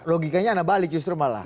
logikanya anda balik justru malah